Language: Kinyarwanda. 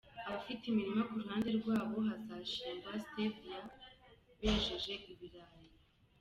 Abafite imirima ku ruhande rw’aho hazahingwa Stevia bejeje ibirayi.